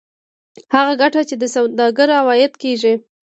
هغه ګټه چې د سوداګر عواید کېږي